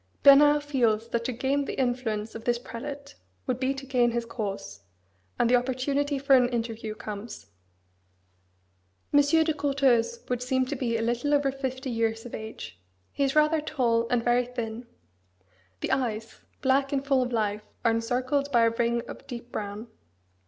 Bernard feels that to gain the influence of this prelate would be to gain his cause; and the opportunity for an interview comes. Monseigneur de Courteheuse would seem to be little over fifty years of age: he is rather tall, and very thin: the eyes, black and full of life, are encircled by a ring of deep brown.